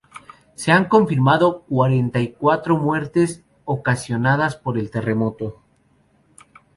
Se han confirmado cuarenta y cuatro muertes ocasionadas por el terremoto.